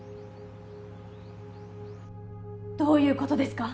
どういうことですか？